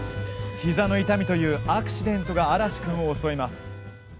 膝の痛みというアクシデントが嵐君を襲います。